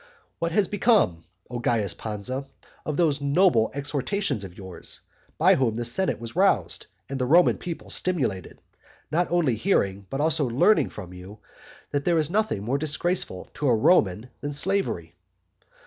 What has become, O Carus Pansa, of those noble exhortations of yours, by which the senate was roused, and the Roman people stimulated, not only hearing but also learning from you that there is nothing more disgraceful to a Roman than slavery?